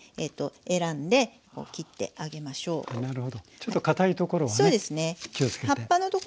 ちょっとかたいところはね気を付けて。